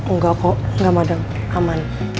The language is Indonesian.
enggak kok nggak madang aman